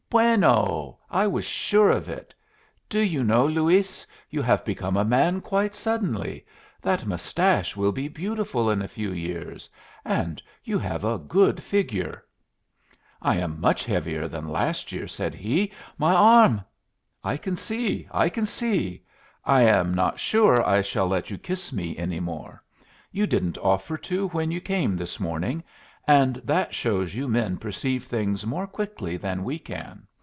"Bueno! I was sure of it. Do you know, Luis, you have become a man quite suddenly? That mustache will be beautiful in a few years. And you have a good figure." "I am much heavier than last year," said he. "My arm " "I can see, I can see. I am not sure I shall let you kiss me any more. You didn't offer to when you came this morning and that shows you men perceive things more quickly than we can.